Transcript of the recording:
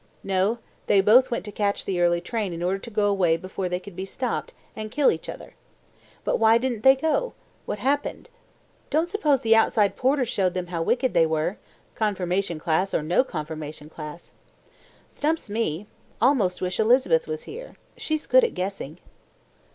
No; they both went to catch the early train in order to go away before they could be stopped, and kill each other. But why didn't they go? What happened? Don't suppose the outside porter showed them how wicked they were, confirmation class or no confirmation class. Stumps me. Almost wish Elizabeth was here. She's good at guessing."